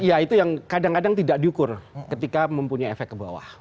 ya itu yang kadang kadang tidak diukur ketika mempunyai efek ke bawah